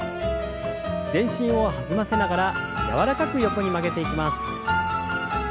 全身を弾ませながら柔らかく横に曲げていきます。